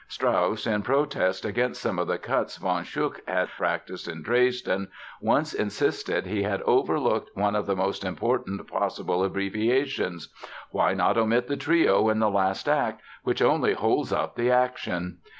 Strauss, in protest against some of the cuts von Schuch had practised in Dresden, once insisted he had overlooked one of the most important possible abbreviations! Why not omit the trio in the last act, which only holds up the action!